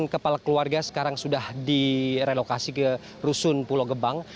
tujuh puluh delapan kepala keluarga sekarang sudah direlokasi ke rusun pulau gebang